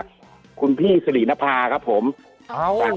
คุณติเล่าเรื่องนี้ให้ฮะ